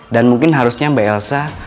dan mungkin harusnya mbak elsa